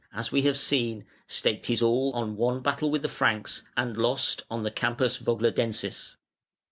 as we have seen, staked his all on one battle with the Franks, and lost, on the Campus Vogladensis.